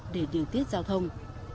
để điều tiết giao thông